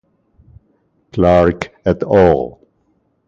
Clarke at al.